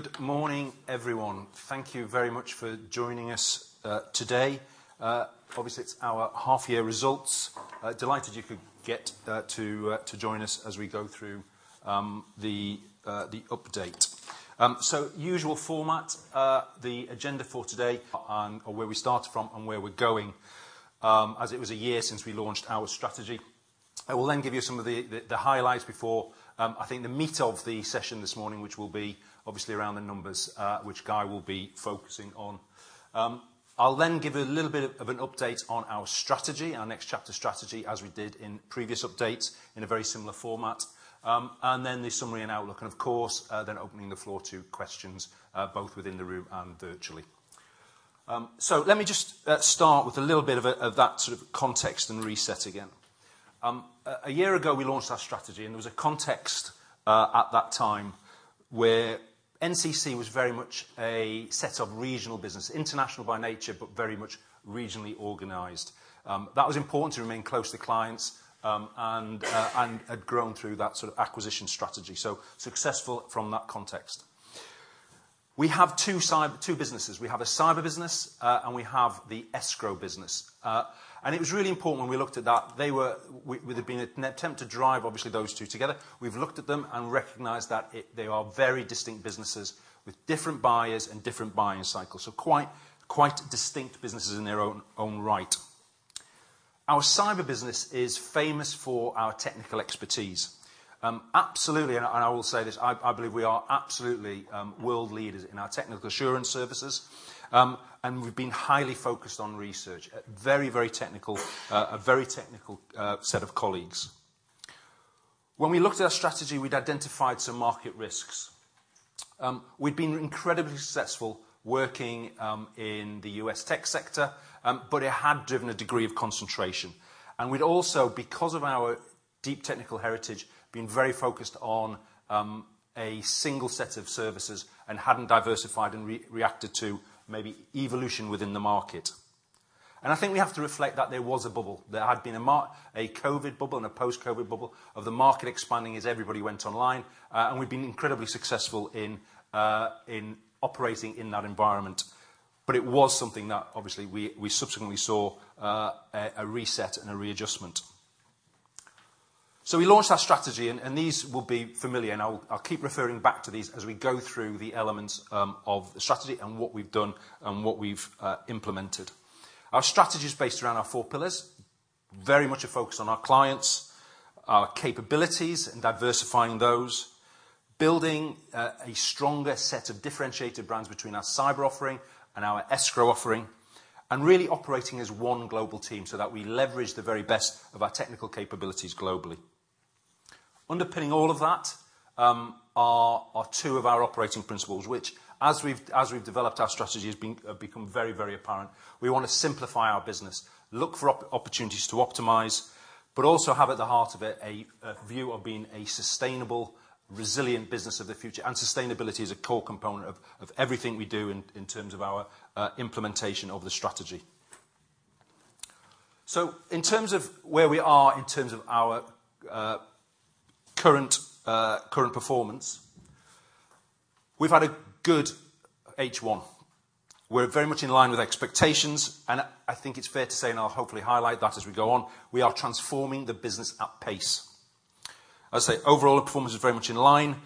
Good morning, everyone. Thank you very much for joining us, today. Obviously, it's our half-year results. Delighted you could get to join us as we go through the update. So usual format, the agenda for today on where we started from and where we're going, as it was a year since we launched our strategy. I will then give you some of the highlights before I think the meat of the session this morning, which will be obviously around the numbers, which Guy will be focusing on. I'll then give a little bit of an update on our strategy, our next chapter strategy, as we did in previous updates, in a very similar format. And then the summary and outlook, and of course, then opening the floor to questions, both within the room and virtually. So let me just start with a little bit of that sort of context and reset again. A year ago, we launched our strategy, and there was a context at that time, where NCC was very much a set of regional business, international by nature, but very much regionally organized. That was important to remain close to clients, and had grown through that sort of acquisition strategy. So successful from that context. We have two businesses. We have a cyber business, and we have the escrow business. And it was really important when we looked at that, with there being an attempt to drive, obviously, those two together. We've looked at them and recognized that they are very distinct businesses with different buyers and different buying cycles, so quite distinct businesses in their own right. Our cyber business is famous for our technical expertise. Absolutely, and I will say this, I believe we are absolutely world leaders in our technical assurance services. And we've been highly focused on research, very technical, a very technical set of colleagues. When we looked at our strategy, we'd identified some market risks. We'd been incredibly successful working in the U.S. tech sector, but it had driven a degree of concentration. And we'd also, because of our deep technical heritage, been very focused on a single set of services and hadn't diversified and reacted to maybe evolution within the market. I think we have to reflect that there was a bubble. There had been a COVID bubble and a post-COVID bubble of the market expanding as everybody went online, and we've been incredibly successful in operating in that environment. But it was something that obviously we subsequently saw, a reset and a readjustment. So we launched our strategy, and these will be familiar, and I'll keep referring back to these as we go through the elements of the strategy and what we've done and what we've implemented. Our strategy is based around our four pillars, very much a focus on our clients, our capabilities, and diversifying those, building a stronger set of differentiated brands between our cyber offering and our escrow offering, and really operating as one global team so that we leverage the very best of our technical capabilities globally. Underpinning all of that are two of our operating principles, which as we've developed, our strategy has become very, very apparent. We want to simplify our business, look for opportunities to optimize, but also have, at the heart of it, a view of being a sustainable, resilient business of the future, and sustainability is a core component of everything we do in terms of our implementation of the strategy. In terms of where we are, in terms of our current performance, we've had a good H1. We're very much in line with expectations, and I think it's fair to say, and I'll hopefully highlight that as we go on, we are transforming the business at pace. I'd say overall, the performance is very much in line.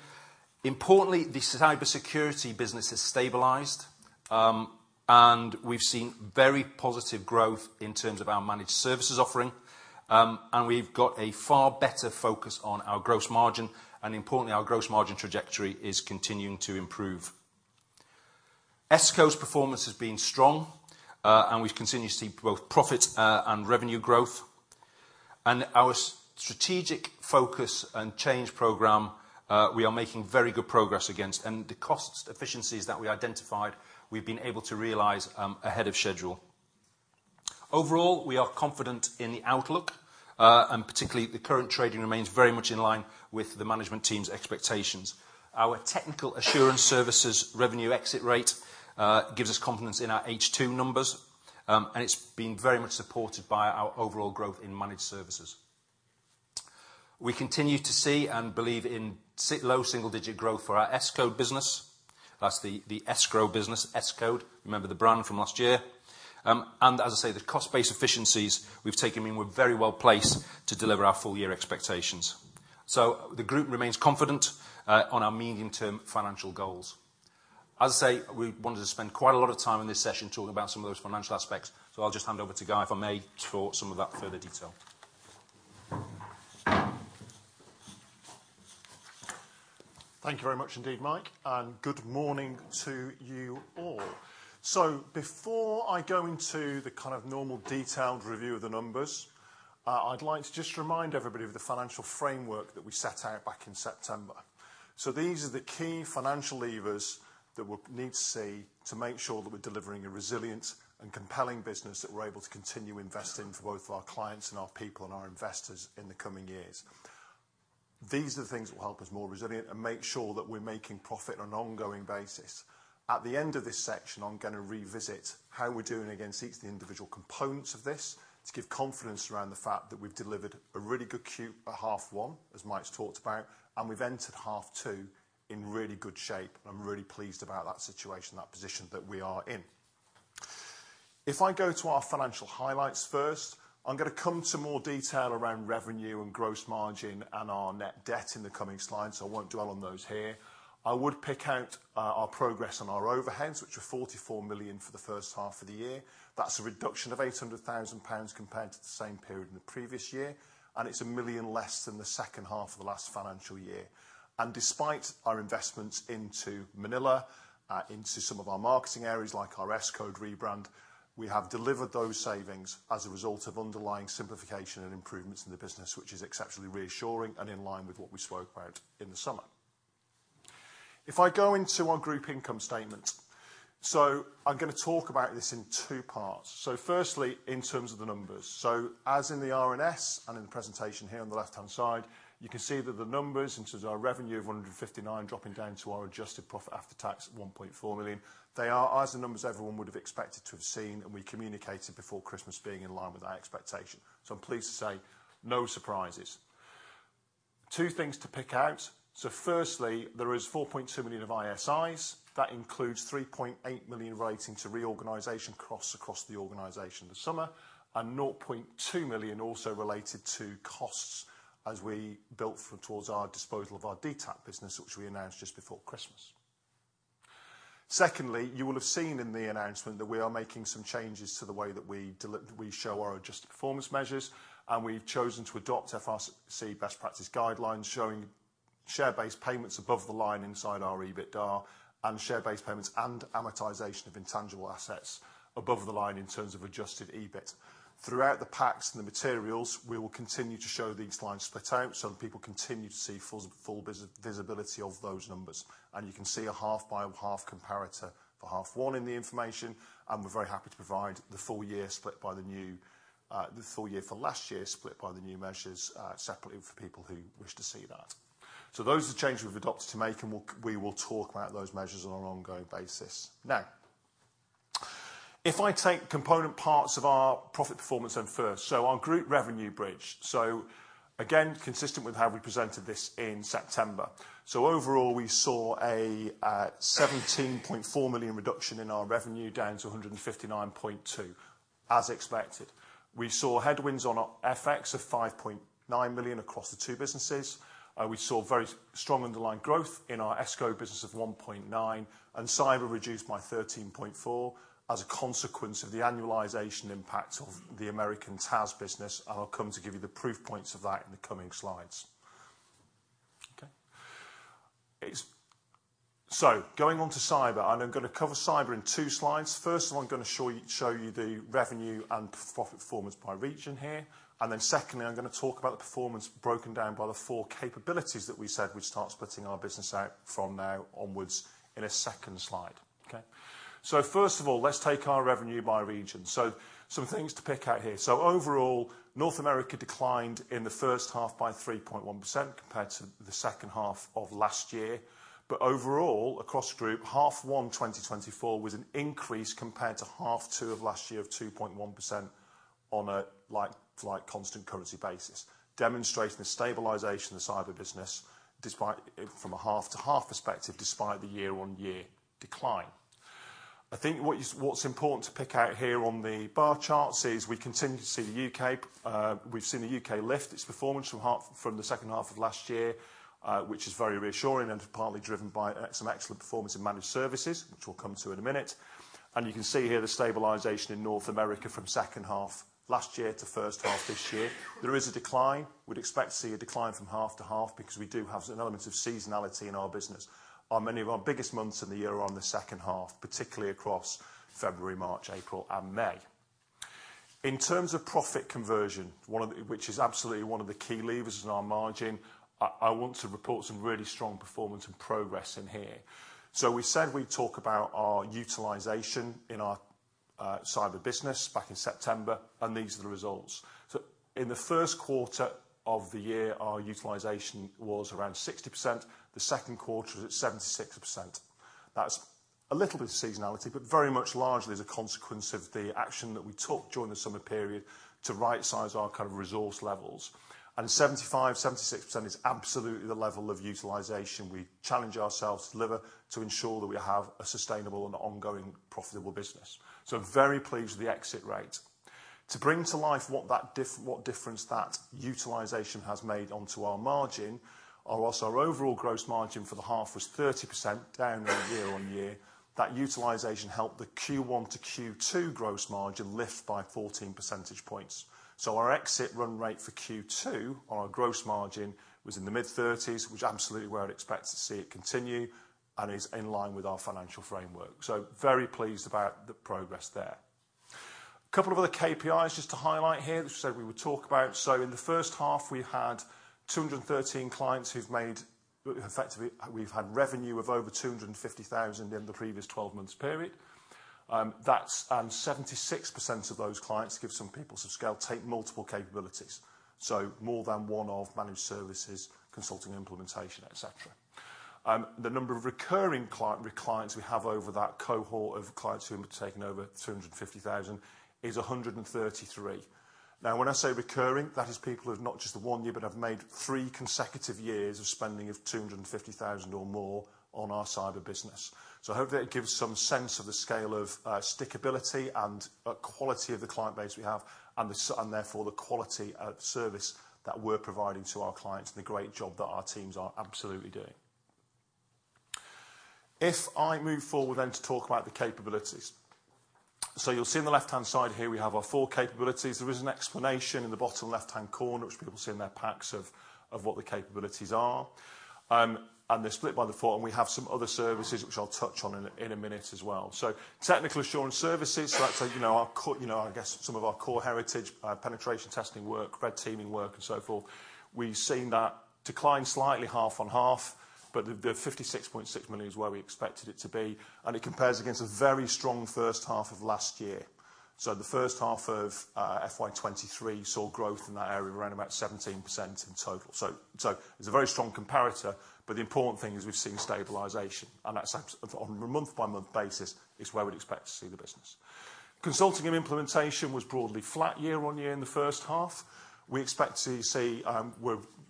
Importantly, the cybersecurity business has stabilized, and we've seen very positive growth in terms of our Managed Services offering. And we've got a far better focus on our gross margin, and importantly, our gross margin trajectory is continuing to improve. Escrow's performance has been strong, and we've continued to see both profit and revenue growth. Our strategic focus and change program, we are making very good progress against, and the cost efficiencies that we identified, we've been able to realize ahead of schedule. Overall, we are confident in the outlook, and particularly, the current trading remains very much in line with the management team's expectations. Our Technical Assurance Services revenue exit rate gives us confidence in our H2 numbers, and it's been very much supported by our overall growth in Managed Services. We continue to see and believe in low double-digit growth for our Escode business. That's the, the escrow business, Escode. Remember the brand from last year? And as I say, the cost-based efficiencies we've taken in were very well placed to deliver our full-year expectations. The group remains confident on our medium-term financial goals. As I say, we wanted to spend quite a lot of time in this session talking about some of those financial aspects, so I'll just hand over to Guy, if I may, for some of that further detail. Thank you very much indeed, Mike, and good morning to you all. So before I go into the kind of normal detailed review of the numbers, I'd like to just remind everybody of the financial framework that we set out back in September. So these are the key financial levers that we'll need to see to make sure that we're delivering a resilient and compelling business, that we're able to continue investing for both our clients and our people and our investors in the coming years. These are the things that will help us more resilient and make sure that we're making profit on an ongoing basis... At the end of this section, I'm gonna revisit how we're doing against each of the individual components of this, to give confidence around the fact that we've delivered a really good Q half one, as Mike's talked about, and we've entered half two in really good shape. I'm really pleased about that situation, that position that we are in. If I go to our financial highlights first, I'm gonna come to more detail around revenue and gross margin and our net debt in the coming slides, so I won't dwell on those here. I would pick out our progress on our overheads, which are 44 million for the first half of the year. That's a reduction of 800,000 pounds compared to the same period in the previous year, and it's 1 million less than the second half of the last financial year. Despite our investments into Manila, into some of our marketing areas, like our Escode rebrand, we have delivered those savings as a result of underlying simplification and improvements in the business, which is exceptionally reassuring and in line with what we spoke about in the summer. If I go into our group income statement, so I'm gonna talk about this in two parts. So firstly, in terms of the numbers, so as in the RNS and in the presentation here on the left-hand side, you can see that the numbers, in terms of our revenue of 159, dropping down to our adjusted profit after tax at 1.4 million, they are as the numbers everyone would have expected to have seen and we communicated before Christmas, being in line with our expectation. So I'm pleased to say, no surprises. Two things to pick out. Firstly, there is 4.2 million of ISIs. That includes 3.8 million relating to reorganization costs across the organization this summer, and 0.2 million also related to costs as we built towards our disposal of our DTACT business, which we announced just before Christmas. Secondly, you will have seen in the announcement that we are making some changes to the way that we show our adjusted performance measures, and we've chosen to adopt FRC best practice guidelines, showing share-based payments above the line inside our EBITDA, and share-based payments and amortization of intangible assets above the line in terms of adjusted EBIT. Throughout the packs and the materials, we will continue to show these lines split out, so people continue to see full visibility of those numbers. You can see a half-by-half comparator for half 1 in the information, and we're very happy to provide the full year split by the new, the full year for last year, split by the new measures, separately for people who wish to see that. Those are the changes we've adopted to make, and we'll, we will talk about those measures on an ongoing basis. Now, if I take component parts of our profit performance then first, our group revenue bridge. Again, consistent with how we presented this in September. Overall, we saw a 17.4 million reduction in our revenue down to 159.2, as expected. We saw headwinds on our FX of 5.9 million across the two businesses. We saw very strong underlying growth in our Escode business of 1.9, and Cyber reduced by 13.4 as a consequence of the annualization impact of the American TAS business. I'll come to give you the proof points of that in the coming slides. Okay? So going on to Cyber, and I'm gonna cover Cyber in two slides. First of all, I'm gonna show you the revenue and profit performance by region here. Then secondly, I'm gonna talk about the performance broken down by the four capabilities that we said we'd start splitting our business out from now onwards in a second slide. Okay? So first of all, let's take our revenue by region. So some things to pick out here. So overall, North America declined in the first half by 3.1% compared to the second half of last year. But overall, across the Group, H1 2024 was an increase compared to H2 of last year of 2.1% on a like-for-like constant currency basis, demonstrating the stabilization of the Cyber business, despite, from a half-to-half perspective, the year-on-year decline. I think what's important to pick out here on the bar charts is we continue to see the UK; we've seen the UK lift its performance from the second half of last year, which is very reassuring and partly driven by some excellent performance in managed services, which we'll come to in a minute. And you can see here the stabilization in North America from second half last year to first half this year. There is a decline. We'd expect to see a decline from half to half because we do have an element of seasonality in our business. Our many of our biggest months in the year are in the second half, particularly across February, March, April, and May. In terms of profit conversion, one of the which is absolutely one of the key levers in our margin, I want to report some really strong performance and progress in here. So we said we'd talk about our utilization in our Cyber business back in September, and these are the results. So in the first quarter of the year, our utilization was around 60%. The second quarter was at 76%. That's a little bit of seasonality, but very much largely as a consequence of the action that we took during the summer period to rightsize our kind of resource levels. 75%-76% is absolutely the level of utilization we challenge ourselves to deliver, to ensure that we have a sustainable and ongoing profitable business. Very pleased with the exit rate. To bring to life what difference that utilization has made onto our margin, whilst our overall gross margin for the half was 30%, down year-on-year, that utilization helped the Q1 to Q2 gross margin lift by 14 percentage points. Our exit run rate for Q2 on our gross margin was in the mid-30s, which absolutely where I'd expect to see it continue, and is in line with our financial framework. Very pleased about the progress there. A couple of other KPIs just to highlight here, which we said we would talk about. In the first half, we had 213 clients who've made... Effectively, we've had revenue of over 250,000 in the previous twelve months period. That's 76% of those clients, to give some people some scale, take multiple capabilities, so more than one of managed services, consulting, implementation, et cetera. The number of recurring clients we have over that cohort of clients who have taken over 250,000 is 133. Now, when I say recurring, that is people who have not just the one year, but have made three consecutive years of spending of 250,000 or more on our cyber business. So I hope that gives some sense of the scale of stickability and quality of the client base we have and therefore the quality of service that we're providing to our clients and the great job that our teams are absolutely doing. If I move forward, then, to talk about the capabilities. So you'll see on the left-hand side here, we have our four capabilities. There is an explanation in the bottom left-hand corner, which people see in their packs, of what the capabilities are. And they're split by the four, and we have some other services, which I'll touch on in a minute as well. So technical assurance services, so that's, you know, our core, you know, I guess some of our core heritage, penetration testing work, red teaming work and so forth. We've seen that decline slightly half on half, but the 56.6 million is where we expected it to be, and it compares against a very strong first half of last year. So the first half of FY 2023 saw growth in that area of around about 17% in total. It's a very strong comparator, but the important thing is we've seen stabilization, and that's on a month-by-month basis, is where we'd expect to see the business. Consulting and implementation was broadly flat year-on-year in the first half. We expect to see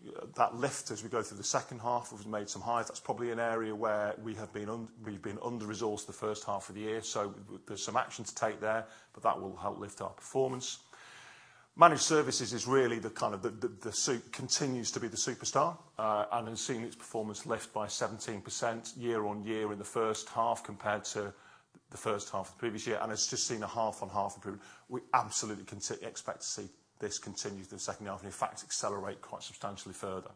where that lift as we go through the second half, we've made some hires. That's probably an area where we have been under-resourced the first half of the year, so there's some action to take there, but that will help lift our performance. Managed services is really the kind of the superstar, and has seen its performance lift by 17% year on year in the first half compared to the first half of the previous year, and it's just seen a half-on-half improvement. We absolutely can expect to see this continue through the second half and, in fact, accelerate quite substantially further.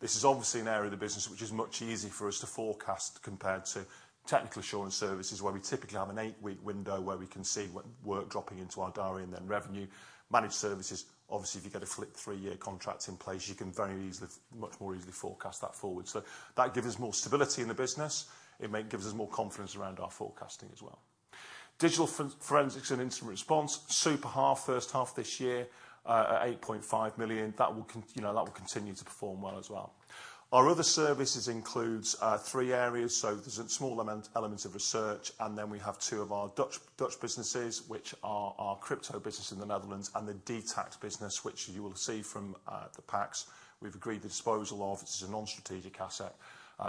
This is obviously an area of the business which is much easier for us to forecast compared to technical assurance services, where we typically have an 8-week window where we can see what work dropping into our diary and then revenue. Managed services, obviously, if you get a flip 3-year contract in place, you can very easily, much more easily forecast that forward. So that gives us more stability in the business. It gives us more confidence around our forecasting as well. Digital forensics and incident response, superb first half this year at 8.5 million, that will continue to perform well as well. Our other services includes three areas, so there's a small amount, element of research, and then we have two of our Dutch, Dutch businesses, which are our crypto business in the Netherlands, and the DTACT business, which you will see from the packs we've agreed the disposal of. This is a non-strategic asset,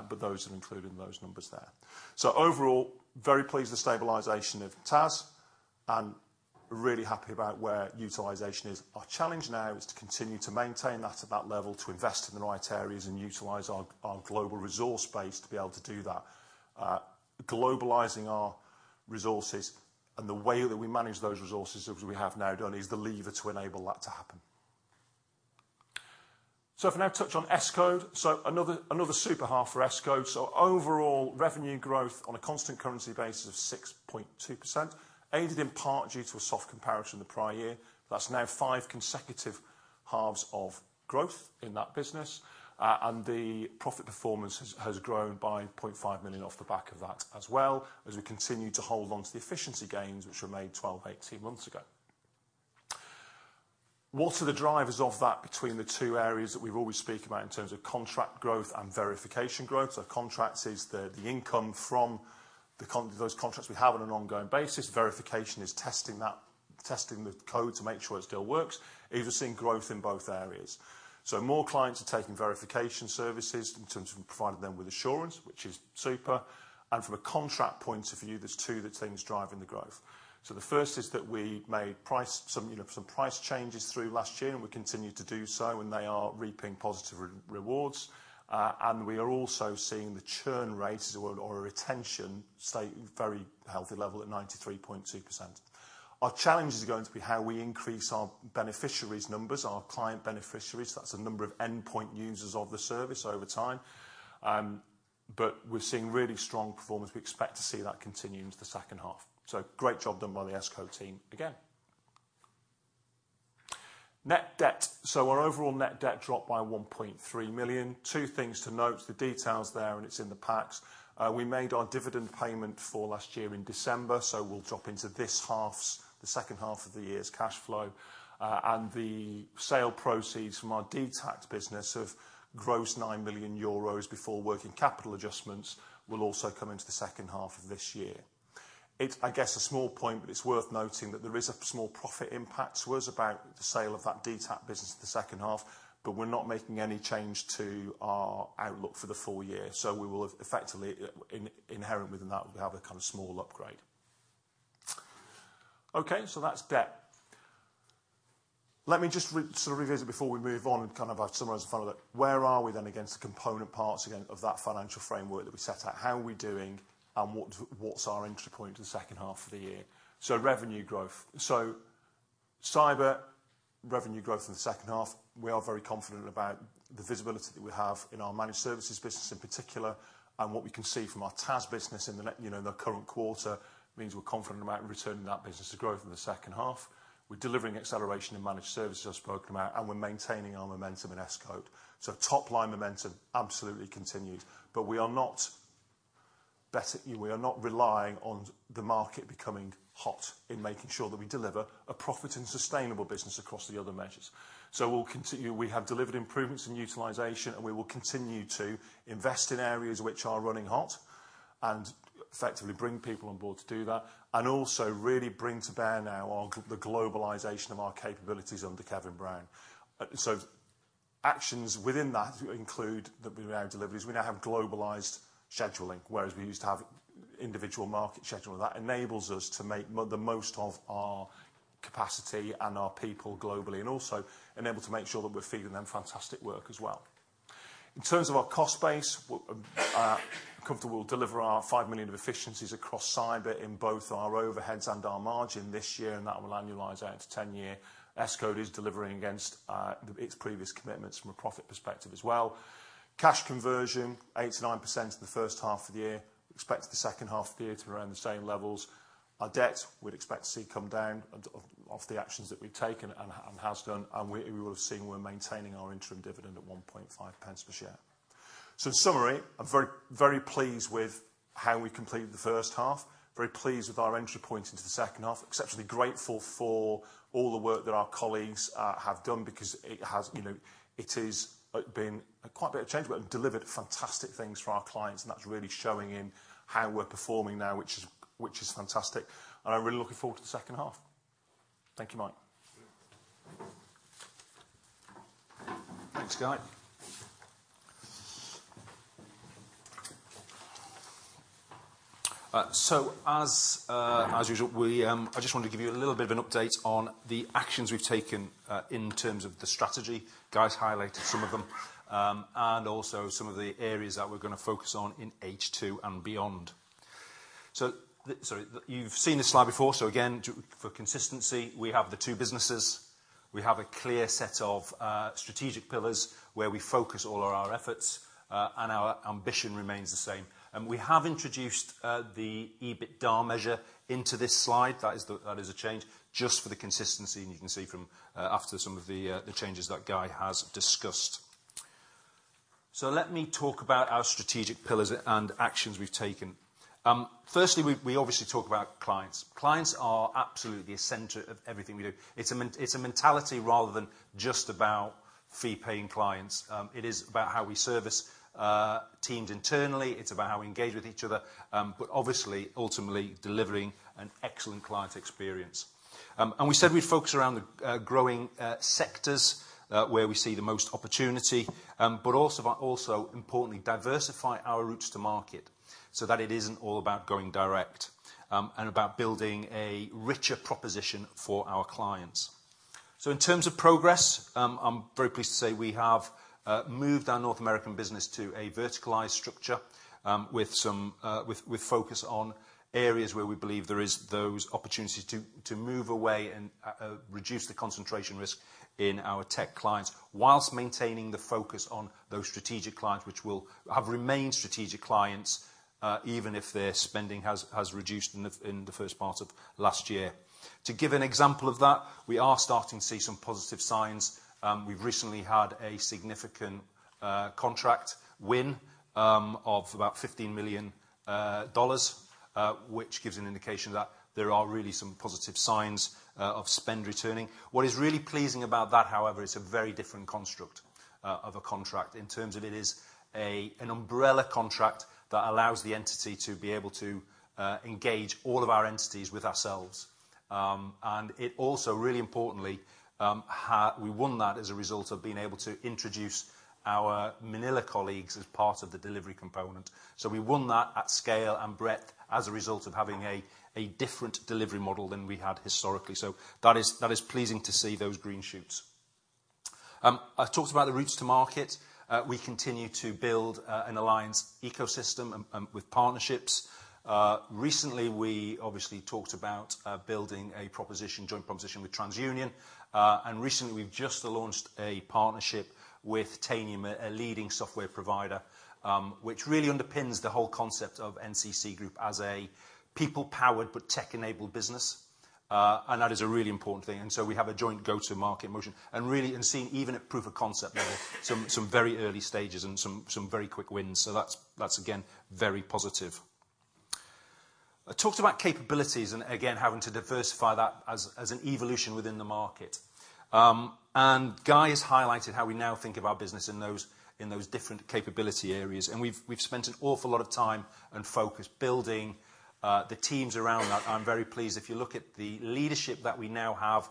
but those are included in those numbers there. So overall, very pleased with the stabilization of TAS, and really happy about where utilization is. Our challenge now is to continue to maintain that at that level, to invest in the right areas, and utilize our global resource base to be able to do that. Globalizing our resources and the way that we manage those resources, as we have now done, is the lever to enable that to happen. So if I now touch on Escode, so another super half for Escode. So overall revenue growth on a constant currency basis of 6.2%, aided in part due to a soft comparison in the prior year. That's now five consecutive halves of growth in that business. And the profit performance has grown by 0.5 million off the back of that as well, as we continue to hold onto the efficiency gains which were made 12, 18 months ago. What are the drivers of that between the two areas that we've always speak about in terms of contract growth and verification growth? So contracts is the income from those contracts we have on an ongoing basis. Verification is testing the code to make sure it still works. We're seeing growth in both areas. More clients are taking verification services in terms of providing them with assurance, which is super, and from a contract point of view, there's two things driving the growth. The first is that we made price, some, you know, some price changes through last year, and we continued to do so, and they are reaping positive rewards. And we are also seeing the churn rate or retention stay very healthy level at 93.2%. Our challenge is going to be how we increase our beneficiaries numbers, our client beneficiaries. That's the number of endpoint users of the service over time. But we're seeing really strong performance. We expect to see that continue into the second half. Great job done by the Escode team again. Net debt. Our overall net debt dropped by 1.3 million. Two things to note, the detail's there, and it's in the packs. We made our dividend payment for last year in December, so we'll drop into this half's, the second half of the year's cash flow. And the sale proceeds from our DTACT business of gross 9 million euros before working capital adjustments will also come into the second half of this year. It's, I guess, a small point, but it's worth noting that there is a small profit impact to us about the sale of that DTACT business in the second half, but we're not making any change to our outlook for the full year, so we will effectively, inherent within that, we have a kind of small upgrade. Okay, so that's debt. Let me just sort of revisit before we move on and kind of, summarize in front of it. Where are we then against the component parts, again, of that financial framework that we set out? How are we doing, and what, what's our entry point to the second half of the year? So revenue growth. So cyber revenue growth in the second half, we are very confident about the visibility that we have in our managed services business in particular, and what we can see from our TAS business in the near- you know, the current quarter, means we're confident about returning that business to growth in the second half. We're delivering acceleration in managed services, I've spoken about, and we're maintaining our momentum in Escode. So top line momentum absolutely continued, but we are not relying on the market becoming hot in making sure that we deliver a profit and sustainable business across the other measures. So we'll continue. We have delivered improvements in utilization, and we will continue to invest in areas which are running hot and effectively bring people on board to do that, and also really bring to bear now on the globalization of our capabilities under Kevin Brown. So actions within that include the round deliveries. We now have globalized scheduling, whereas we used to have individual market scheduling. That enables us to make the most of our capacity and our people globally, and also enable to make sure that we're feeding them fantastic work as well. In terms of our cost base, we're comfortable we'll deliver our 5 million of efficiencies across cyber in both our overheads and our margin this year, and that will annualize out to 10 year. Escode is delivering against its previous commitments from a profit perspective as well. Cash conversion, 8%-9% in the first half of the year, expect the second half of the year to be around the same levels. Our debt, we'd expect to see come down of the actions that we've taken and has done, and we will have seen we're maintaining our interim dividend at 0.015 per share. So in summary, I'm very, very pleased with how we completed the first half, very pleased with our entry point into the second half. Exceptionally grateful for all the work that our colleagues have done because it has, you know, it is been quite a bit of change, but delivered fantastic things for our clients, and that's really showing in how we're performing now, which is, which is fantastic. And I'm really looking forward to the second half. Thank you, Mike. Thanks, Guy. So as usual, we... I just want to give you a little bit of an update on the actions we've taken in terms of the strategy. Guy's highlighted some of them, and also some of the areas that we're gonna focus on in H2 and beyond. Sorry, you've seen this slide before, so again, for consistency, we have the two businesses. We have a clear set of strategic pillars where we focus all our efforts, and our ambition remains the same. And we have introduced the EBITDA measure into this slide. That is the, that is a change just for the consistency, and you can see from after some of the changes that Guy has discussed. So let me talk about our strategic pillars and actions we've taken. Firstly, we obviously talk about clients. Clients are absolutely essential of everything we do. It's a mentality rather than just about fee-paying clients. It is about how we service teams internally. It's about how we engage with each other, but obviously, ultimately delivering an excellent client experience. And we said we'd focus around the growing sectors where we see the most opportunity, but also importantly, diversify our routes to market so that it isn't all about going direct, and about building a richer proposition for our clients. So in terms of progress, I'm very pleased to say we have moved our North American business to a verticalized structure, with some focus on areas where we believe there is those opportunities to move away and reduce the concentration risk in our tech clients, whilst maintaining the focus on those strategic clients, which have remained strategic clients, even if their spending has reduced in the first part of last year. To give an example of that, we are starting to see some positive signs. We've recently had a significant contract win of about $15 million, which gives an indication that there are really some positive signs of spend returning. What is really pleasing about that, however, it's a very different construct of a contract in terms of it is a, an umbrella contract that allows the entity to be able to engage all of our entities with ourselves. And it also, really importantly, we won that as a result of being able to introduce our Manila colleagues as part of the delivery component. So we won that at scale and breadth as a result of having a different delivery model than we had historically. So that is pleasing to see those green shoots. I talked about the routes to market. We continue to build an alliance ecosystem and with partnerships. Recently, we obviously talked about building a joint proposition with TransUnion, and recently we've just launched a partnership with Tanium, a leading software provider, which really underpins the whole concept of NCC Group as a people-powered but tech-enabled business. And that is a really important thing, and so we have a joint go-to-market motion. And really, seeing even a proof of concept level, some very early stages and some very quick wins. So that's again, very positive. I talked about capabilities and again, having to diversify that as an evolution within the market. And Guy has highlighted how we now think of our business in those different capability areas, and we've spent an awful lot of time and focus building the teams around that. I'm very pleased. If you look at the leadership that we now have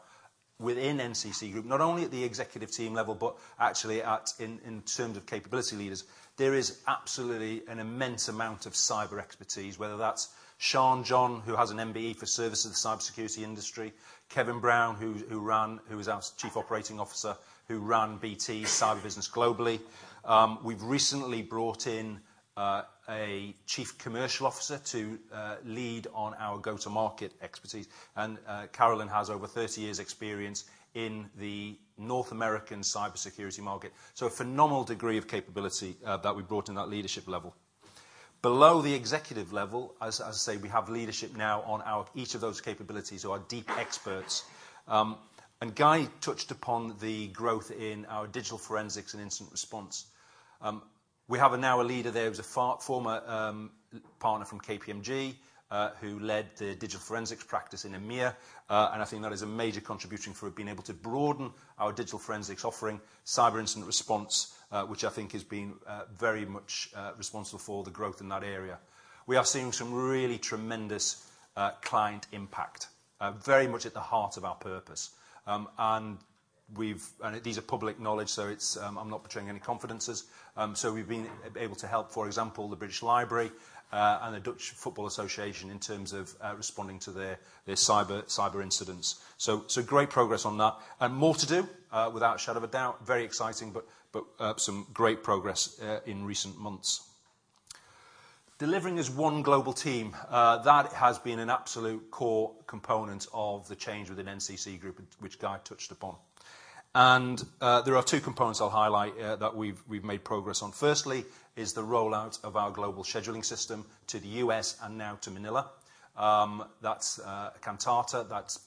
within NCC Group, not only at the executive team level, but actually in terms of capability leaders, there is absolutely an immense amount of cyber expertise, whether that's Sian John, who has an MBE for service of the cybersecurity industry, Kevin Brown, who was our Chief Operating Officer, who ran BT's cyber business globally. We've recently brought in a Chief Commercial Officer to lead on our go-to-market expertise, and Carolyn has over 30 years' experience in the North American cybersecurity market. So a phenomenal degree of capability that we brought in that leadership level. Below the executive level, as I say, we have leadership now on each of those capabilities who are deep experts. And Guy touched upon the growth in our digital forensics and incident response. We have now a leader there who's a former partner from KPMG, who led the digital forensics practice in EMEA. And I think that is a major contribution for being able to broaden our digital forensics offering, cyber incident response, which I think has been very much responsible for the growth in that area. We are seeing some really tremendous client impact very much at the heart of our purpose. And these are public knowledge, so it's, I'm not betraying any confidences. So we've been able to help, for example, the British Library and the Dutch Football Association in terms of responding to their cyber incidents. So great progress on that and more to do without a shadow of a doubt. Very exciting, some great progress in recent months. Delivering as one global team, that has been an absolute core component of the change within NCC Group, which Guy touched upon. And, there are two components I'll highlight, that we've made progress on. Firstly, is the rollout of our global scheduling system to the U.S. and now to Manila. That's Kantata. That's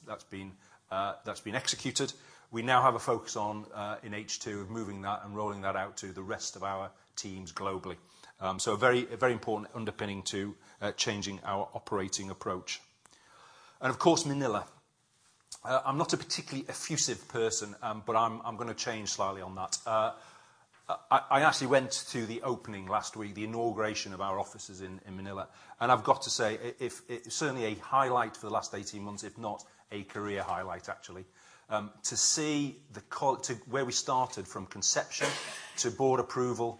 been executed. We now have a focus on in H2 of moving that and rolling that out to the rest of our teams globally. So very, a very important underpinning to changing our operating approach. And of course, Manila. I'm not a particularly effusive person, but I'm gonna change slightly on that. I actually went to the opening last week, the inauguration of our offices in Manila, and I've got to say, if it's certainly a highlight for the last 18 months, if not a career highlight, actually. To see the quality to where we started from conception to board approval,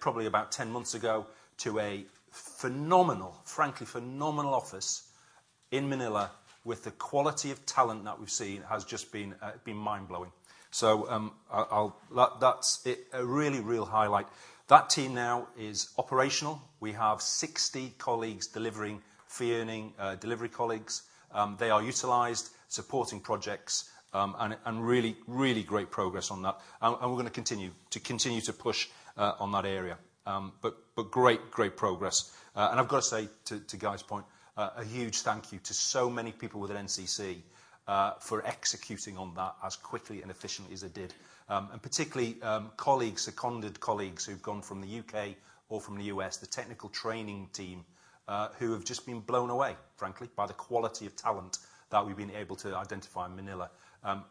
probably about 10 months ago, to a phenomenal, frankly, phenomenal office in Manila with the quality of talent that we've seen, has just been mind-blowing. So, that's it, a really real highlight. That team now is operational. We have 60 colleagues delivering, fee-earning delivery colleagues. They are utilized, supporting projects, and really, really great progress on that. And we're gonna continue to push on that area. But great, great progress. I've got to say to Guy's point, a huge thank you to so many people within NCC for executing on that as quickly and efficiently as they did. Particularly, colleagues, seconded colleagues, who've gone from the UK or from the US, the technical training team, who have just been blown away, frankly, by the quality of talent that we've been able to identify in Manila.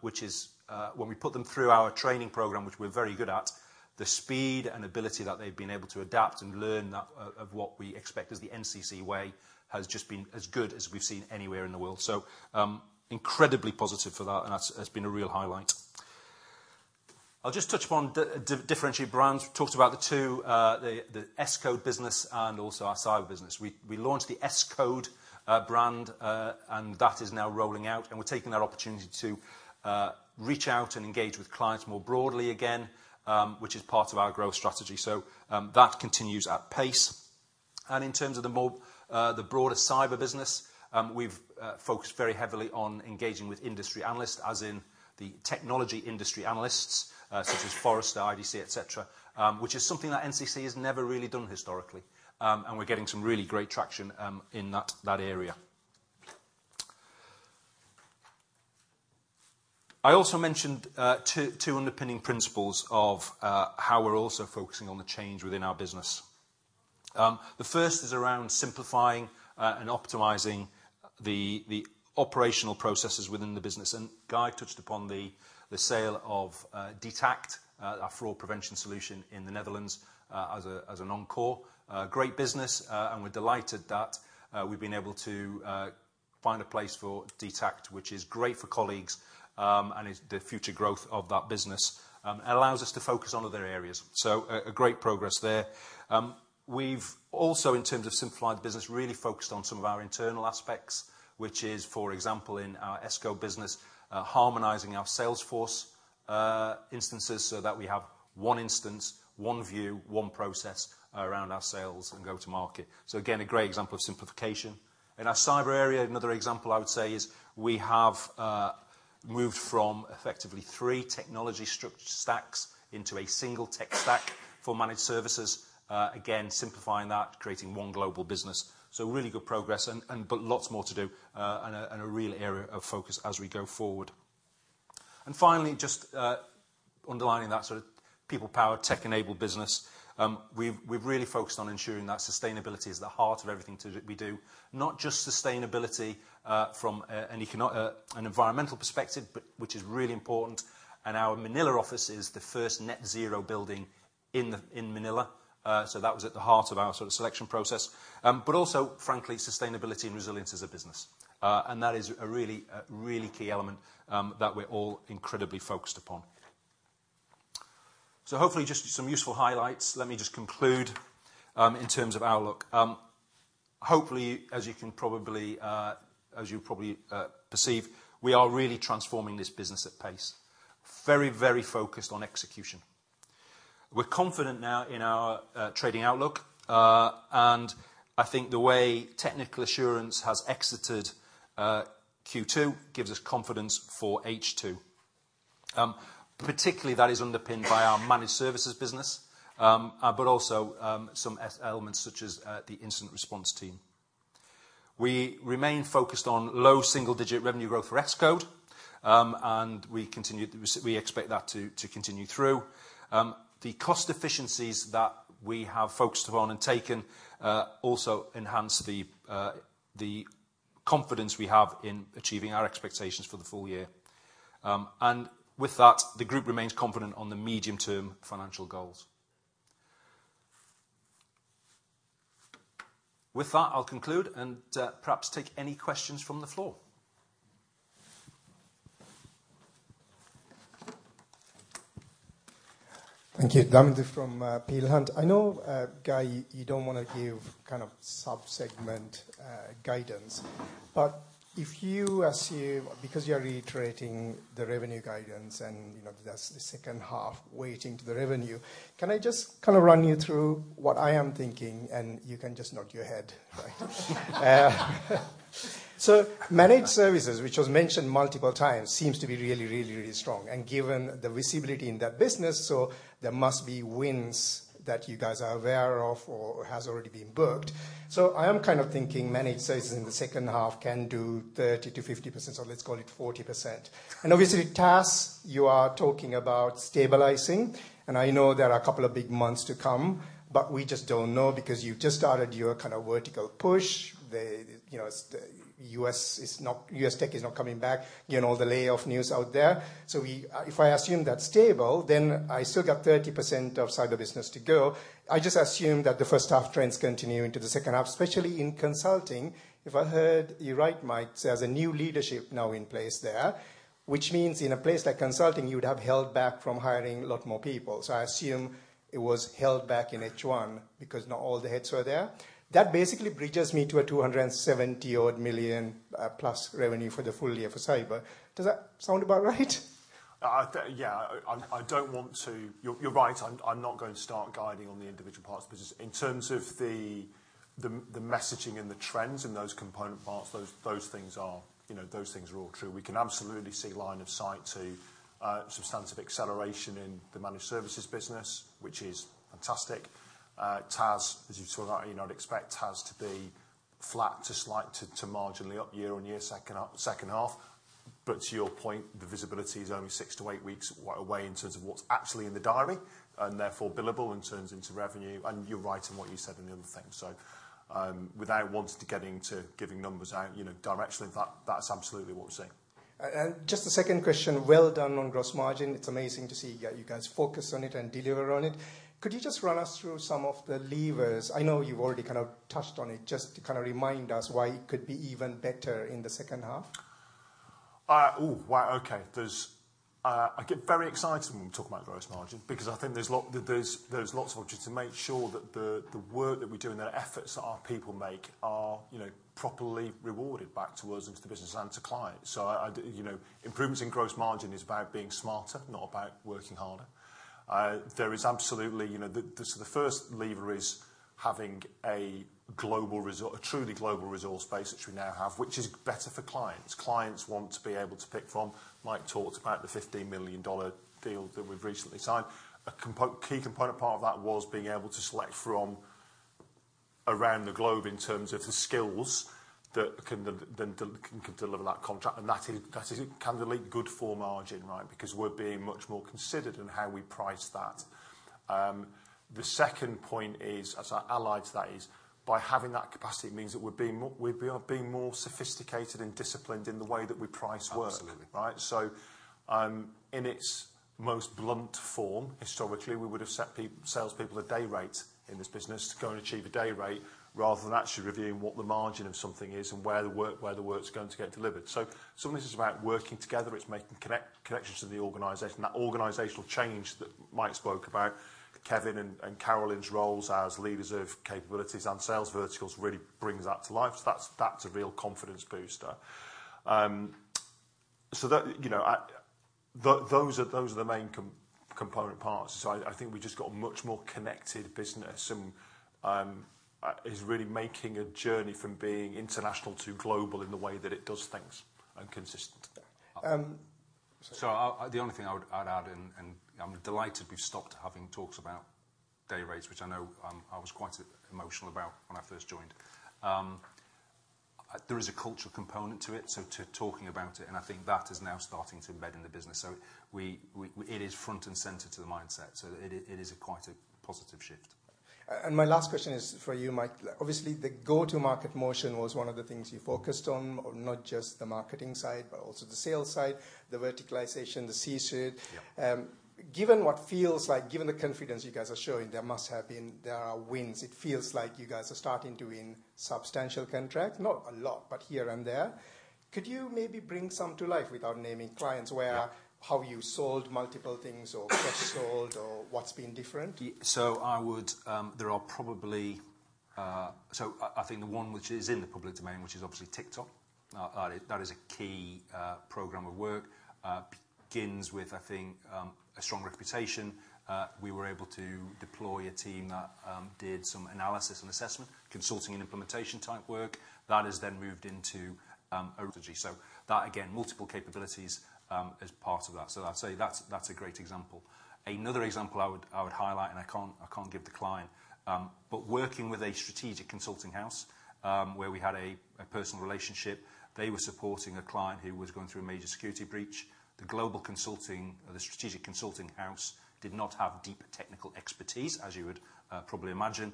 Which is, when we put them through our training program, which we're very good at, the speed and ability that they've been able to adapt and learn that of what we expect as the NCC way, has just been as good as we've seen anywhere in the world. So, incredibly positive for that, and that's been a real highlight. I'll just touch upon differentiating brands. We talked about the two Escode business and also our cyber business. We launched the Escode brand, and that is now rolling out, and we're taking that opportunity to reach out and engage with clients more broadly again, which is part of our growth strategy. So, that continues at pace. And in terms of the broader cyber business, we've focused very heavily on engaging with industry analysts, as in the technology industry analysts, such as Forrester, IDC, et cetera. Which is something that NCC has never really done historically. And we're getting some really great traction in that area. I also mentioned two underpinning principles of how we're also focusing on the change within our business. The first is around simplifying and optimizing the operational processes within the business. And Guy touched upon the sale of DTACT, our fraud prevention solution in the Netherlands, as a non-core. Great business, and we're delighted that we've been able to find a place for DTACT, which is great for colleagues, and is the future growth of that business. It allows us to focus on other areas. So a great progress there. We've also, in terms of simplifying the business, really focused on some of our internal aspects, which is, for example, in our Escode business, harmonizing our Salesforce instances, so that we have one instance, one view, one process around our sales and go-to market. So again, a great example of simplification. In our cyber area, another example I would say is we have moved from effectively three technology structure stacks into a single tech stack for managed services. Again, simplifying that, creating one global business. So really good progress and but lots more to do, and a real area of focus as we go forward. And finally, just underlining that sort of people-powered, tech-enabled business, we've really focused on ensuring that sustainability is the heart of everything we do. Not just sustainability from an environmental perspective, but which is really important, and our Manila office is the first net zero building in Manila. So that was at the heart of our sort of selection process. But also, frankly, sustainability and resilience as a business. That is a really, really key element that we're all incredibly focused upon. So hopefully, just some useful highlights. Let me just conclude in terms of outlook. Hopefully, as you can probably perceive, we are really transforming this business at pace. Very, very focused on execution. We're confident now in our trading outlook, and I think the way Technical Assurance has exited Q2 gives us confidence for H2. Particularly, that is underpinned by our managed services business, but also some elements such as the incident response team. We remain focused on low single-digit revenue growth for Escode, and we expect that to continue through. The cost efficiencies that we have focused on and taken also enhance the confidence we have in achieving our expectations for the full year. And with that, the group remains confident on the medium-term financial goals. With that, I'll conclude, and perhaps take any questions from the floor. Thank you. Damindu Jayaweera from Peel Hunt. I know Guy, you don't wanna give kind of sub-segment guidance, but if you assume, because you're reiterating the revenue guidance and, you know, that's the second half weighting to the revenue, can I just kind of run you through what I am thinking, and you can just nod your head, right? So managed services, which was mentioned multiple times, seems to be really, really, really strong and given the visibility in that business, so there must be wins that you guys are aware of or has already been booked. So I am kind of thinking managed services in the second half can do 30%-50%, or let's call it 40%. And obviously, TAS, you are talking about stabilizing, and I know there are a couple of big months to come, but we just don't know because you've just started your kind of vertical push. The, you know, U.S. is not. U.S. tech is not coming back, given all the layoff news out there. So we, if I assume that's stable, then I still got 30% of cyber business to go. I just assume that the first half trends continue into the second half, especially in consulting. If I heard you right, Mike, there's a new leadership now in place there, which means in a place like consulting, you would have held back from hiring a lot more people. So I assume it was held back in H1 because not all the heads were there. That basically bridges me to a 270-odd million plus revenue for the full year for cyber. Does that sound about right? Yeah, I don't want to. You're right. I'm not going to start guiding on the individual parts, but just in terms of the messaging and the trends in those component parts, those things are, you know, those things are all true. We can absolutely see line of sight to substantive acceleration in the managed services business, which is fantastic. TAS, as you saw, you know, expect TAS to be flat to slight to marginally up year-on-year, second half. But to your point, the visibility is only 6-8 weeks away in terms of what's actually in the diary, and therefore billable and turns into revenue. You're right in what you said in the other thing. So, without wanting to get into giving numbers out, you know, directionally, that's absolutely what we're seeing. Just a second question. Well done on gross margin. It's amazing to see you guys focus on it and deliver on it. Could you just run us through some of the levers? I know you've already kind of touched on it. Just to kind of remind us why it could be even better in the second half. Oh, wow, okay. There's... I get very excited when we talk about gross margin, because I think there's lots of opportunities to make sure that the work that we do and the efforts that our people make are, you know, properly rewarded back to us and to the business and to clients. So I, you know, improvements in gross margin is about being smarter, not about working harder. There is absolutely, you know, so the first lever is having a global resource, a truly global resource base, which we now have, which is better for clients. Clients want to be able to pick from. Mike talked about the $15 million deal that we've recently signed. A key component part of that was being able to select from around the globe in terms of the skills that can then deliver that contract, and that is kind of really good for margin, right? Because we're being much more considered in how we price that. The second point is, as I alluded to that, by having that capacity, it means that we're being more sophisticated and disciplined in the way that we price work. Absolutely. Right? So, in its most blunt form, historically, we would have set salespeople a day rate in this business to go and achieve a day rate, rather than actually reviewing what the margin of something is and where the work, where the work's going to get delivered. So some of this is about working together. It's making connections to the organization. That organizational change that Mike spoke about, Kevin and Carolyn's roles as leaders of capabilities and sales verticals really brings that to life. So that's a real confidence booster. So that, you know, those are, those are the main component parts. So I think we've just got a much more connected business, and it's really making a journey from being international to global in the way that it does things and consistent. Um- So, the only thing I would add in, and I'm delighted we've stopped having talks about day rates, which I know I was quite emotional about when I first joined. There is a cultural component to it, so to talking about it, and I think that is now starting to embed in the business. So, it is front and center to the mindset, so it is, it is quite a positive shift. My last question is for you, Mike. Obviously, the go-to-market motion was one of the things you focused on, or not just the marketing side, but also the sales side, the verticalization, the C-suite. Yeah. Given what feels like, given the confidence you guys are showing, there must have been, there are wins. It feels like you guys are starting to win substantial contracts. Not a lot, but here and there. Could you maybe bring some to life without naming clients? Yeah. Where, how you sold multiple things or cross-sold or what's been different? So I would... There are probably, so I think the one which is in the public domain, which is obviously TikTok. That is a key program of work, begins with, I think, a strong reputation. We were able to deploy a team that did some analysis and assessment, consulting and implementation-type work. That has then moved into strategy. So that, again, multiple capabilities, as part of that. So I'd say that's, that's a great example. Another example I would highlight, and I can't give the client-... But working with a strategic consulting house, where we had a personal relationship. They were supporting a client who was going through a major security breach. The global consulting, or the strategic consulting house, did not have deep technical expertise, as you would probably imagine.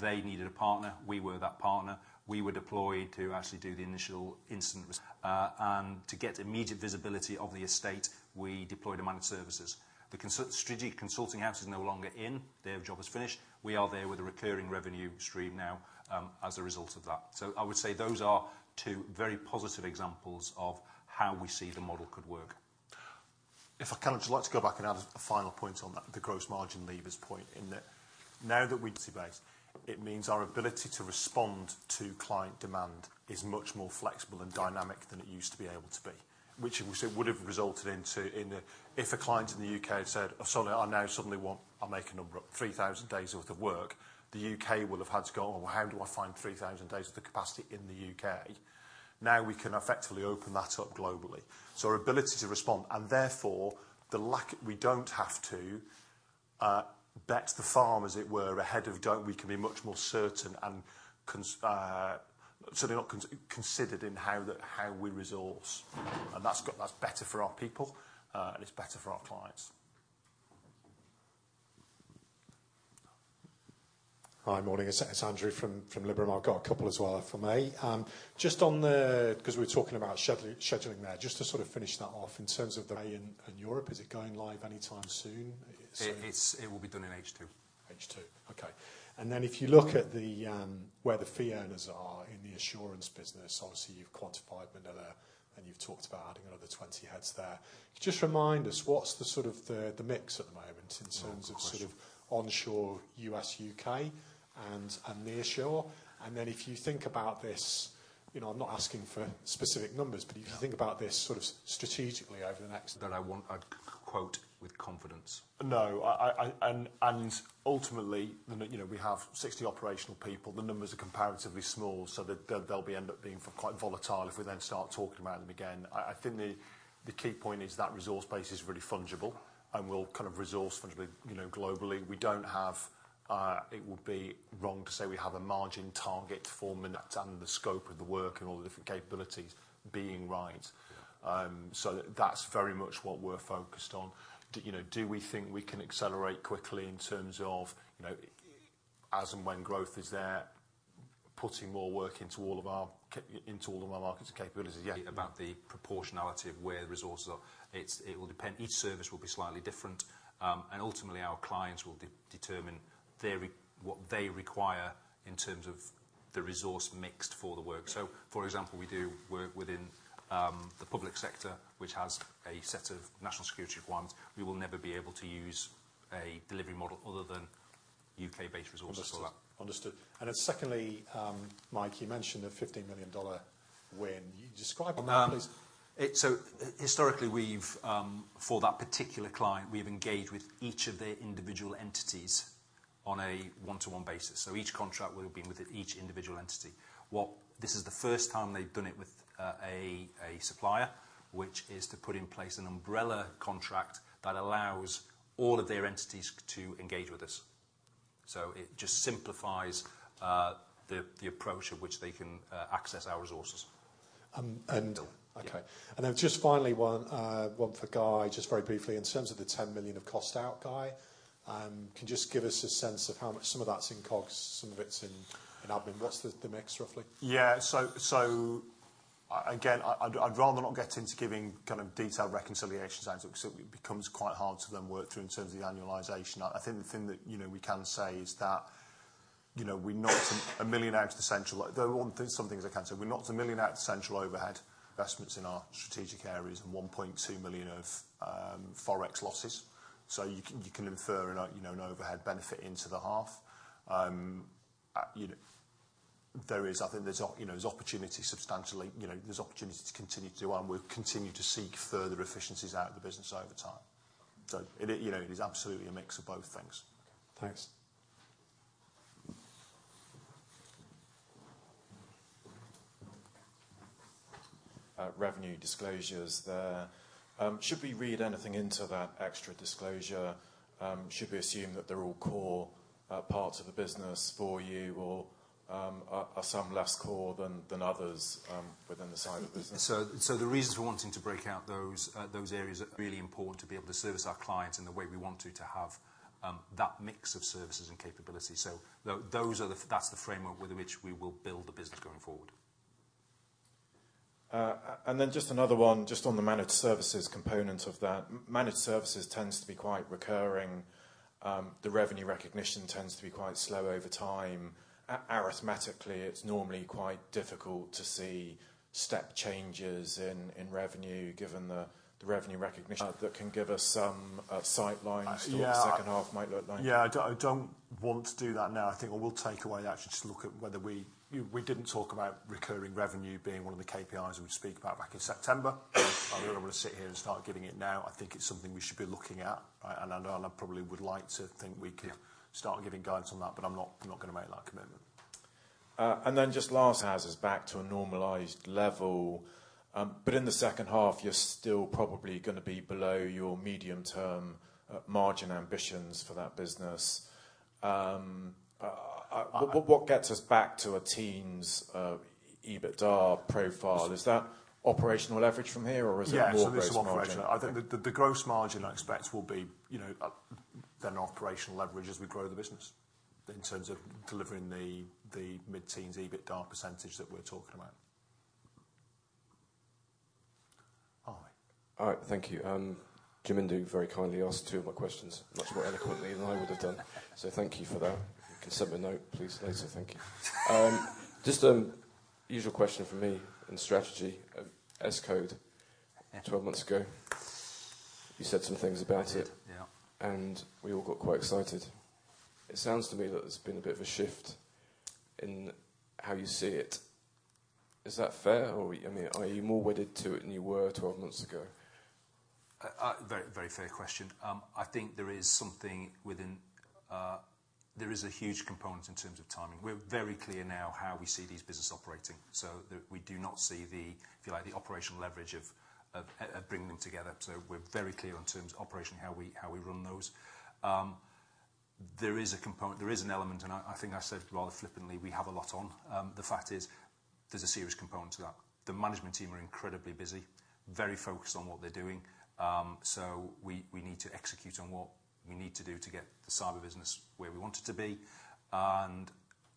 They needed a partner. We were that partner. We were deployed to actually do the initial incident, and to get immediate visibility of the estate, we deployed a managed services. The strategic consulting house is no longer in, their job is finished. We are there with a recurring revenue stream now, as a result of that. So I would say those are two very positive examples of how we see the model could work. If I can, I'd just like to go back and add a final point on that, the gross margin leavers point, in that now that we're database, it means our ability to respond to client demand is much more flexible and dynamic than it used to be able to be. Which would have resulted into, in a, if a client in the UK had said, "Sorry, I now suddenly want," I'll make a number up, "3,000 days worth of work," the UK will have had to go, "Well, how do I find 3,000 days of the capacity in the UK?" Now, we can effectively open that up globally. So our ability to respond, and therefore the lack... We don't have to bet the farm, as it were, ahead of dope. We can be much more certain and considered in how we resource. And that's better for our people, and it's better for our clients. Hi, morning, it's Andrew from Liberum. I've got a couple as well for me. Just on the, 'cause we were talking about scheduling there, just to sort of finish that off, in terms of the way in Europe, is it going live anytime soon? It's- It will be done in H2. H2, okay. Then if you look at the, where the fee earners are in the assurance business, obviously, you've quantified Manila, and you've talked about adding another 20 heads there. Just remind us, what's the sort of the, the mix at the moment- Oh, of course.... in terms of sort of onshore U.S., U.K. and nearshore? And then if you think about this, you know, I'm not asking for specific numbers, but if you think about this sort of strategically over the next- That I want, I'd quote with confidence. No, I... And ultimately, you know, we have 60 operational people. The numbers are comparatively small, so that they'll end up being quite volatile if we then start talking about them again. I think the key point is that resource base is really fungible, and we'll kind of resource fungibly, you know, globally. We don't have, it would be wrong to say we have a margin target for Manila, and the scope of the work and all the different capabilities being right. So that's very much what we're focused on. Do you know, do we think we can accelerate quickly in terms of, you know, as and when growth is there, putting more work into all of our into all of our markets and capabilities? Yeah. About the proportionality of where the resources are, it's. It will depend. Each service will be slightly different, and ultimately, our clients will determine what they require in terms of the resource mix for the work. So for example, we do work within the public sector, which has a set of national security requirements. We will never be able to use a delivery model other than UK-based resources for that. Understood, understood. And then secondly, Mike, you mentioned the $15 million win. Can you describe that please? So historically, we've for that particular client, we've engaged with each of their individual entities on a one-to-one basis, so each contract will have been with each individual entity. This is the first time they've done it with a supplier, which is to put in place an umbrella contract that allows all of their entities to engage with us. So it just simplifies the approach of which they can access our resources. Um, and- Yeah. Okay. Then just finally, one for Guy, just very briefly, in terms of the 10 million of cost out, Guy, can you just give us a sense of how much some of that's in COGS, some of it's in admin. What's the mix, roughly? Yeah, so again, I'd rather not get into giving kind of detailed reconciliations, Andrew, because it becomes quite hard to then work through in terms of the annualization. I think the thing that, you know, we can say is that, you know, we knocked 1 million out of the central- though on some things I can say, we knocked 1 million out of central overhead investments in our strategic areas and 1.2 million of Forex losses. So you can, you can infer, you know, an overhead benefit into the half. You know, there is... I think there's op- you know, there's opportunity substantially, you know, there's opportunity to continue to do one. We'll continue to seek further efficiencies out of the business over time. So it, you know, it is absolutely a mix of both things. Thanks. Revenue disclosures there. Should we read anything into that extra disclosure? Should we assume that they're all core parts of the business for you, or are some less core than others within the side of the business? So the reasons for wanting to break out those areas are really important to be able to service our clients in the way we want to, to have that mix of services and capabilities. So those are the, that's the framework with which we will build the business going forward. And then just another one, just on the managed services component of that. Managed services tends to be quite recurring. The revenue recognition tends to be quite slow over time. Arithmetically, it's normally quite difficult to see step changes in revenue, given the revenue recognition that can give us some sightline- Absolutely... to what the second half might look like. Yeah, I don't, I don't want to do that now. I think what we'll take away actually, just look at whether we—we didn't talk about recurring revenue being one of the KPIs we speak about back in September. I really don't want to sit here and start giving it now. I think it's something we should be looking at, right? And I, and I probably would like to think we could start giving guidance on that, but I'm not, I'm not going to make that commitment.... and then just H1's back to a normalized level. But in the second half, you're still probably gonna be below your medium-term margin ambitions for that business. What gets us back to the teens EBITDA profile? Sure. Is that operational leverage from here, or is it more gross margin? Yeah, so this is operational. I think the, the gross margin, I expect, will be, you know, up than operational leverage as we grow the business, in terms of delivering the, the mid-teens EBITDA percentage that we're talking about. All right. All right, thank you. Damith very kindly asked two of my questions much more eloquently than I would have done, so thank you for that. You can send me a note, please, later. Thank you. Just, usual question from me on strategy, Escode, 12 months ago, you said some things about it- Yeah. We all got quite excited. It sounds to me like there's been a bit of a shift in how you see it. Is that fair, or, I mean, are you more wedded to it than you were 12 months ago? Very, very fair question. I think there is something within... there is a huge component in terms of timing. We're very clear now how we see these business operating, so we do not see the, if you like, the operational leverage of bringing them together. So we're very clear in terms of operationally, how we run those. There is a component, there is an element, and I think I said rather flippantly, we have a lot on. The fact is, there's a serious component to that. The management team are incredibly busy, very focused on what they're doing. So we need to execute on what we need to do to get the cyber business where we want it to be. And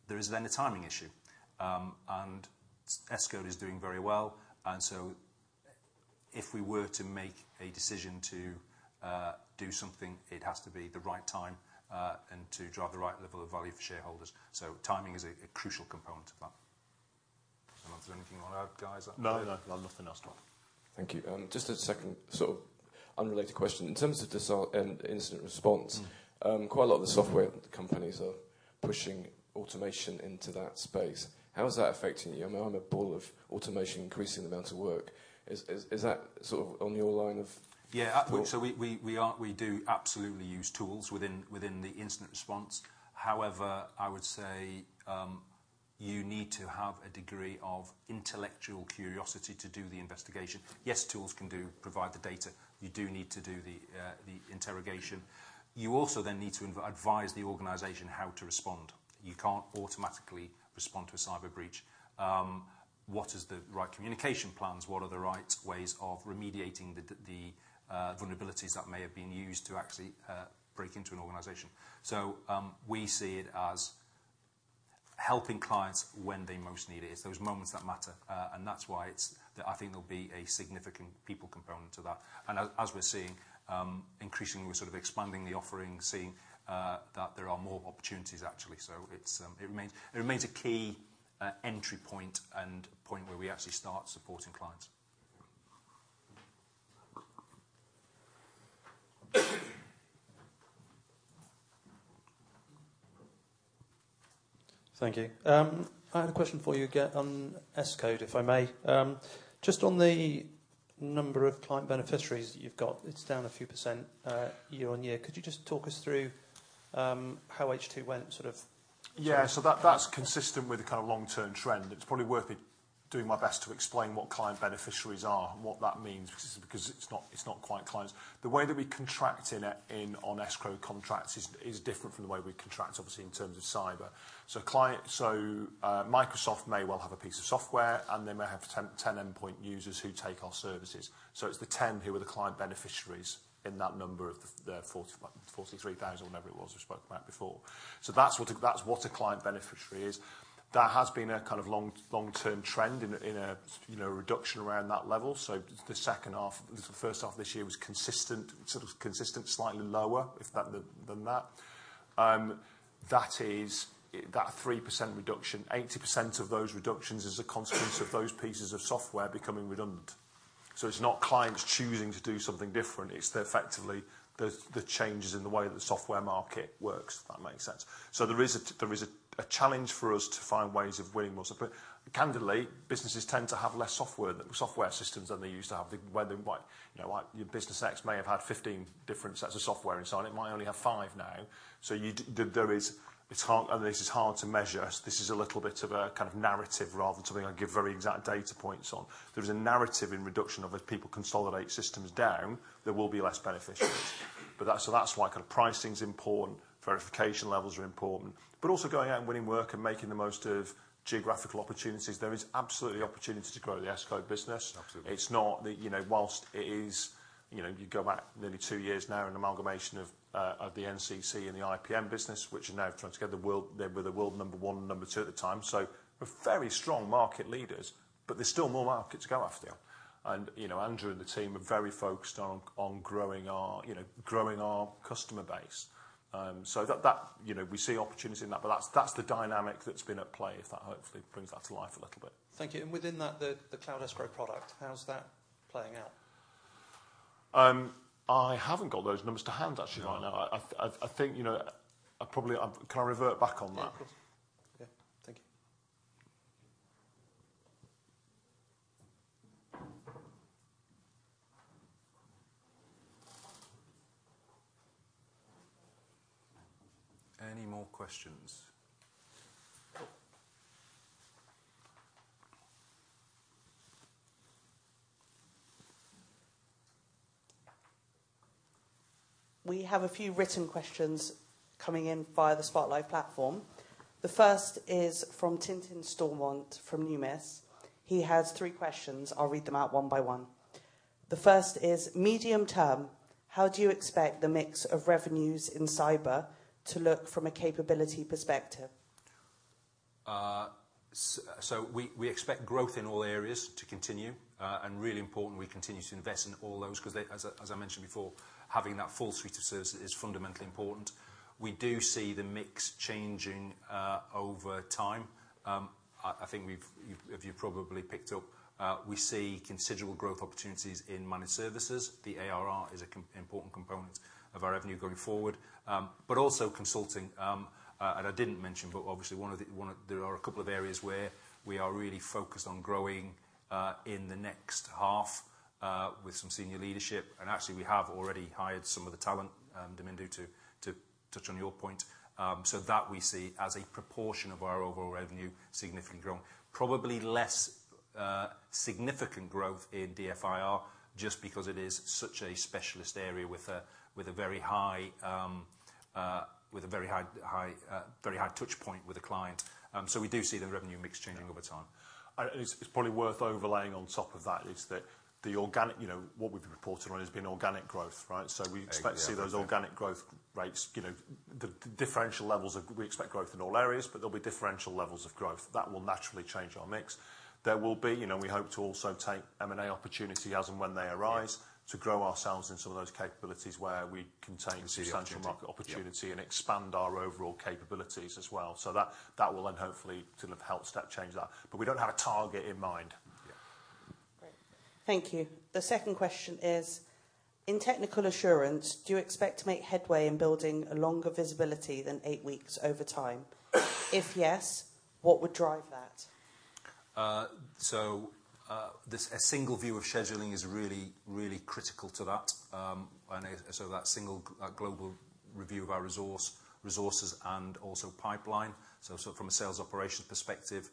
there is then a timing issue. And Escode is doing very well, and so if we were to make a decision to do something, it has to be the right time, and to drive the right level of value for shareholders. So timing is a crucial component of that. Is there anything you wanna add, guys? No, no, nothing else to add. Thank you. Just a second, sort of unrelated question. In terms of incident response- Mm. Quite a lot of the software companies are pushing automation into that space. How is that affecting you? I mean, I'm a bull of automation, increasing the amount of work. Is that sort of on your line of- Yeah, so we are- thought? We do absolutely use tools within the incident response. However, I would say you need to have a degree of intellectual curiosity to do the investigation. Yes, tools can provide the data. You do need to do the interrogation. You also then need to advise the organization how to respond. You can't automatically respond to a cyber breach. What is the right communication plans? What are the right ways of remediating the vulnerabilities that may have been used to actually break into an organization? So, we see it as helping clients when they most need it, those moments that matter, and that's why it's. I think there'll be a significant people component to that. And as we're seeing, increasingly, we're sort of expanding the offering, seeing that there are more opportunities, actually. So it remains a key entry point where we actually start supporting clients. Thank you. I had a question for you, again, on Escode, if I may. Just on the number of client beneficiaries that you've got, it's down a few %, year-over-year. Could you just talk us through how H2 went, sort of? Yeah, so that- Yeah. That's consistent with the kind of long-term trend. It's probably worth it, doing my best to explain what client beneficiaries are and what that means, because it's not quite clients. The way that we contract in on escrow contracts is different from the way we contract, obviously, in terms of cyber. So Microsoft may well have a piece of software, and they may have 10 endpoint users who take our services. So it's the 10 who are the client beneficiaries in that number of the 43,000, whatever it was we spoke about before. So that's what a client beneficiary is. There has been a kind of long-term trend in a, you know, reduction around that level. So the second half, the first half of this year was consistent, sort of consistent, slightly lower, if that, than that. That is, that 3% reduction, 80% of those reductions is a consequence of those pieces of software becoming redundant. So it's not clients choosing to do something different. It's effectively the, the changes in the way that the software market works, if that makes sense. So there is a, there is a, a challenge for us to find ways of winning more support. Candidly, businesses tend to have less software, software systems than they used to have. Where they might... You know, your business X may have had 15 different sets of software inside. It might only have 5 now. There is... It's hard, and this is hard to measure. This is a little bit of a kind of narrative rather than something I can give very exact data points on. There is a narrative in reduction of as people consolidate systems down, there will be less beneficiaries. But that's, so that's why kind of pricing's important, verification levels are important, but also going out and winning work and making the most of geographical opportunities. There is absolutely opportunity to grow the Escode business. Absolutely. It's not that, you know, while it is, you know, you go back nearly two years now, an amalgamation of, of the NCC and the IPM business, which are now trying to get the world—they were the world number one and number two at the time. So we're very strong market leaders, but there's still more market to go after. And, you know, Andrew and the team are very focused on growing our, you know, growing our customer base. So that, you know, we see opportunity in that, but that's the dynamic that's been at play, if that hopefully brings that to life a little bit. Thank you, and within that, the cloud escrow product, how's that playing out? I haven't got those numbers to hand, actually, right now. No. I think, you know, I probably... Can I revert back on that? Yeah, of course. Yeah. Thank you. Any more questions? We have a few written questions coming in via the Spotlight platform. The first is from Tintin Stormont from Numis. He has three questions. I'll read them out one by one. The first is: Medium term, how do you expect the mix of revenues in cyber to look from a capability perspective? So we expect growth in all areas to continue. And really important, we continue to invest in all those, 'cause they, as I mentioned before, having that full suite of services is fundamentally important. We do see the mix changing over time. I think you've probably picked up, we see considerable growth opportunities in managed services. The ARR is an important component of our revenue going forward, but also consulting. And I didn't mention, but obviously there are a couple of areas where we are really focused on growing in the next half with some senior leadership. And actually, we have already hired some of the talent, Damith, to touch on your point. So that we see as a proportion of our overall revenue, significantly growing. Probably less significant growth in DFIR, just because it is such a specialist area with a very high touch point with the client. So we do see the revenue mix changing over time. And it's, it's probably worth overlaying on top of that, is that the organic, you know, what we've been reporting on has been organic growth, right? Exactly. So we expect to see those organic growth rates, you know, the differential levels of... We expect growth in all areas, but there'll be differential levels of growth, that will naturally change our mix. There will be, you know, we hope to also take M&A opportunity as and when they arise- Yeah ... to grow ourselves in some of those capabilities where we contain substantial market opportunity- Yeah and expand our overall capabilities as well. So that, that will then hopefully sort of help step change that, but we don't have a target in mind. Yeah. Great. Thank you. The second question is: in technical assurance, do you expect to make headway in building a longer visibility than 8 weeks over time? If yes, what would drive that? So, this a single view of scheduling is really, really critical to that. And so that single global review of our resources and also pipeline, so from a sales operations perspective,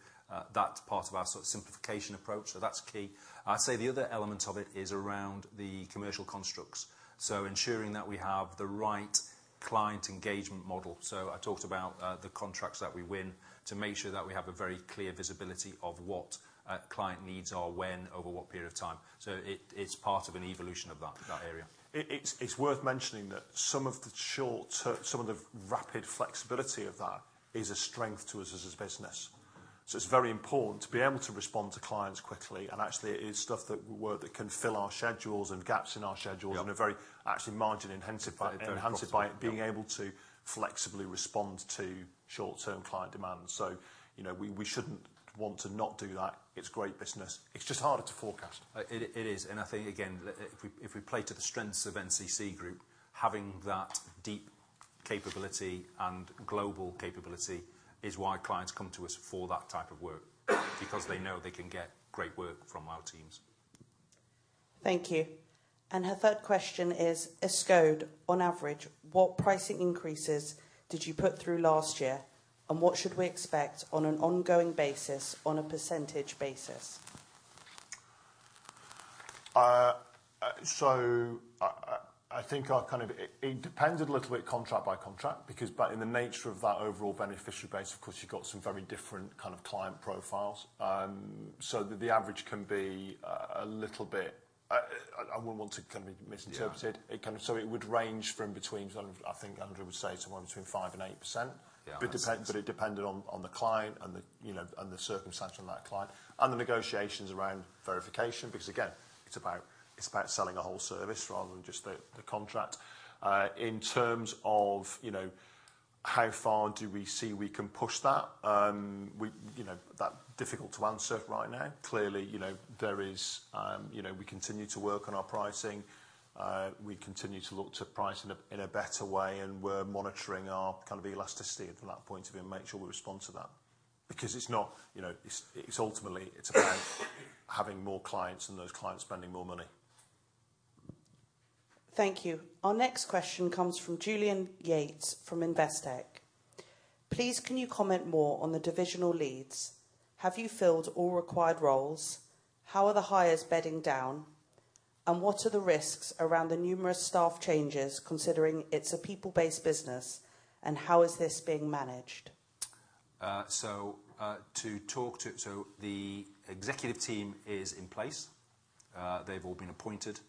that's part of our sort of simplification approach, so that's key. I'd say the other element of it is around the commercial constructs, so ensuring that we have the right client engagement model. So I talked about the contracts that we win, to make sure that we have a very clear visibility of what client needs are, when over what period of time. So it's part of an evolution of that area. It's worth mentioning that some of the short-term rapid flexibility of that is a strength to us as a business. So it's very important to be able to respond to clients quickly, and actually, it is stuff that we—that can fill our schedules and gaps in our schedules— Yeah... in a very actually margin-intensified- Very profitable... intensified, being able to flexibly respond to short-term client demands. So, you know, we shouldn't want to not do that. It's great business. It's just harder to forecast. It is, and I think, again, if we play to the strengths of NCC Group, having that deep capability and global capability is why clients come to us for that type of work, because they know they can get great work from our teams. Thank you. Her third question is Escode, on average, what pricing increases did you put through last year, and what should we expect on an ongoing basis, on a percentage basis? So I think I've kind of... It depended a little bit contract by contract, because in the nature of that overall beneficiary base, of course, you've got some very different kind of client profiles. So the average can be a little bit... I wouldn't want to kind of be misinterpreted. Yeah. It kind of, so it would range from between, I think Andrew would say to somewhere between 5% and 8%. Yeah. But it depended on the client and the, you know, and the circumstance on that client and the negotiations around verification, because, again, it's about, it's about selling a whole service rather than just the, the contract. In terms of, you know, how far do we see we can push that? We, you know, that's difficult to answer right now. Clearly, you know, there is, you know, we continue to work on our pricing. We continue to look to price in a, in a better way, and we're monitoring our kind of elasticity from that point of view and make sure we respond to that. Because it's not, you know, it's, it's ultimately, it's about having more clients and those clients spending more money. Thank you. Our next question comes from Julian Yates, from Investec. Please, can you comment more on the divisional leads? Have you filled all required roles? How are the hires bedding down, and what are the risks around the numerous staff changes, considering it's a people-based business, and how is this being managed? So the executive team is in place. They've all been appointed.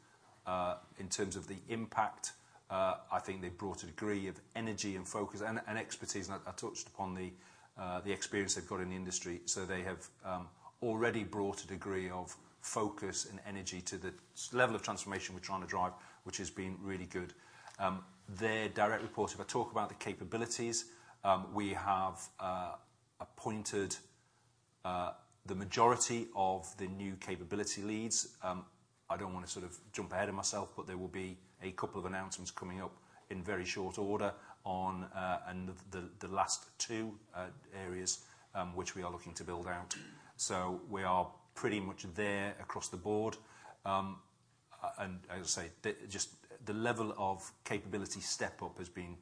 In terms of the impact, I think they've brought a degree of energy and focus and expertise, and I touched upon the experience they've got in the industry. So they have already brought a degree of focus and energy to the level of transformation we're trying to drive, which has been really good. They're directly reported... If I talk about the capabilities, we have appointed the majority of the new capability leads. I don't wanna sort of jump ahead of myself, but there will be a couple of announcements coming up in very short order on and the last two areas which we are looking to build out. So we are pretty much there across the board. And, as I say, just the level of capability step-up has been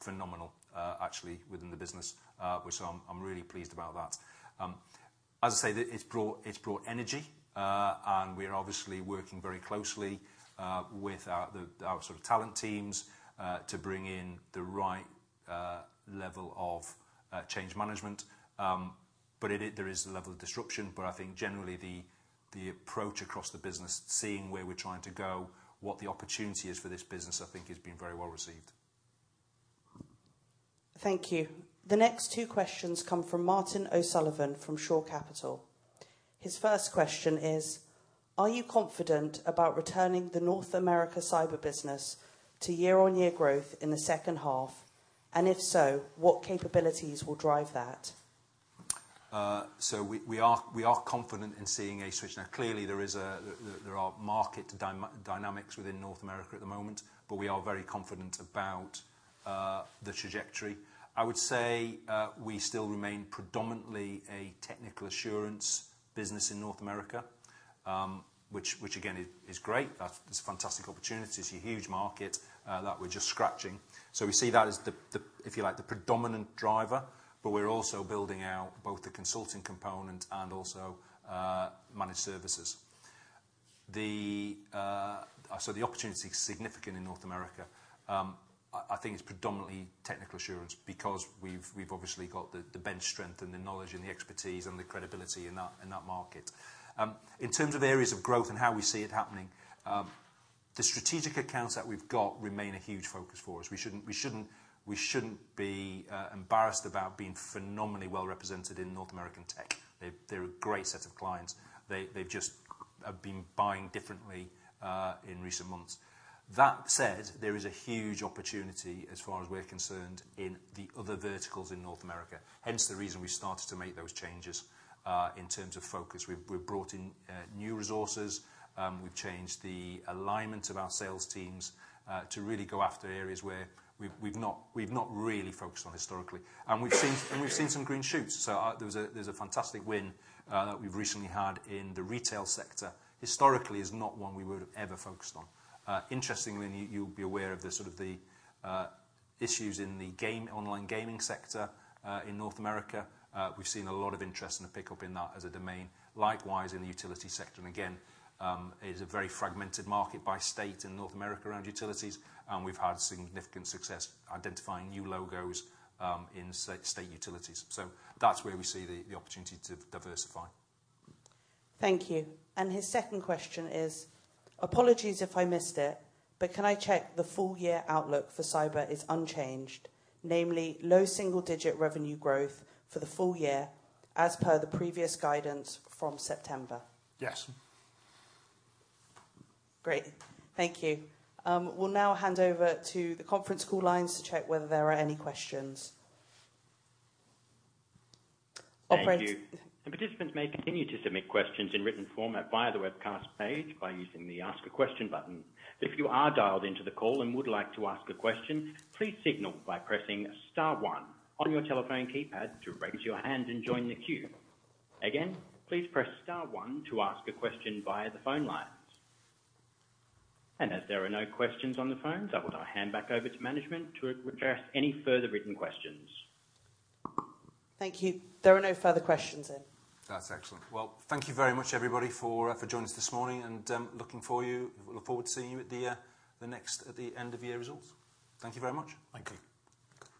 phenomenal, actually within the business, which I'm really pleased about that. As I say, it's brought energy, and we're obviously working very closely with our sort of talent teams to bring in the right level of change management. But there is a level of disruption, but I think generally the approach across the business, seeing where we're trying to go, what the opportunity is for this business, I think has been very well received. Thank you. The next two questions come from Martin O'Sullivan, from Shore Capital. His first question is: Are you confident about returning the North America cyber business to year-over-year growth in the second half? And if so, what capabilities will drive that? So we are confident in seeing a switch. Now, clearly, there are market dynamics within North America at the moment, but we are very confident about the trajectory. I would say we still remain predominantly a technical assurance business in North America, which again is great. That's a fantastic opportunity. It's a huge market that we're just scratching. So we see that as the, if you like, the predominant driver, but we're also building out both the consulting component and also managed services. So the opportunity is significant in North America. I think it's predominantly technical assurance because we've obviously got the bench strength and the knowledge and the expertise and the credibility in that market. In terms of areas of growth and how we see it happening, the strategic accounts that we've got remain a huge focus for us. We shouldn't be embarrassed about being phenomenally well-represented in North American tech. They're a great set of clients. They've just been buying differently in recent months. That said, there is a huge opportunity, as far as we're concerned, in the other verticals in North America, hence the reason we started to make those changes in terms of focus. We've brought in new resources. We've changed the alignment of our sales teams to really go after areas where we've not really focused on historically. And we've seen some green shoots. So there was a, there's a fantastic win that we've recently had in the retail sector. Historically, is not one we would've ever focused on. Interestingly, and you, you'll be aware of the sort of the issues in the game, online gaming sector in North America. We've seen a lot of interest and a pickup in that as a domain, likewise, in the utility sector. And again, it is a very fragmented market by state in North America around utilities, and we've had significant success identifying new logos in state utilities. So that's where we see the opportunity to diversify. Thank you. His second question is: Apologies if I missed it, but can I check the full year outlook for cyber is unchanged, namely, low single-digit revenue growth for the full year, as per the previous guidance from September? Yes. Great, thank you. We'll now hand over to the conference call lines to check whether there are any questions. Operator- Thank you. The participants may continue to submit questions in written format via the webcast page by using the Ask a Question button. If you are dialed into the call and would like to ask a question, please signal by pressing star one on your telephone keypad to raise your hand and join the queue. Again, please press star one to ask a question via the phone lines. As there are no questions on the phone, I would now hand back over to management to address any further written questions. Thank you. There are no further questions in. That's excellent. Well, thank you very much, everybody, for joining us this morning, and looking forward to seeing you at the next, at the end-of-year results. Thank you very much. Thank you.